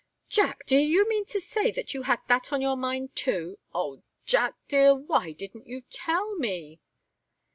"Jack! Do you mean to say that you had that on your mind, too? Oh, Jack dear, why didn't you tell me?"